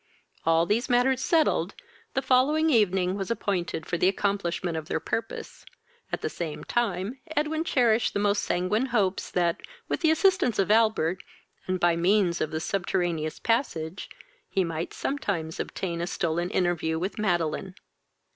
All these matters settled, the following evening was appointed for the accomplishment of their purpose, at the same time Edwin cherished the most sanguine hopes that, with the assistance of Albert, and by means of the subterraneous passage, he might sometimes obtain a stolen interview with Madeline.